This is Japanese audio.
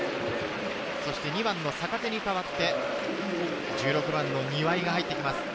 ２番の坂手に代わって、１６番の庭井が入ってきます。